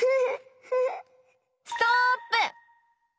ストップ！